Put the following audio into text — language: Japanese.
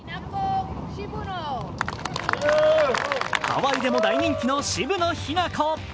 ハワイでも大人気の渋野日向子。